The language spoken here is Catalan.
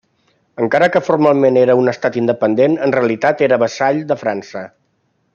Encara que formalment era un estat independent, en realitat era vassall de França.